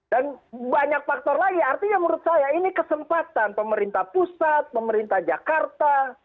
dan banyak faktor lagi artinya menurut saya ini kesempatan pemerintah pusat pemerintah jakarta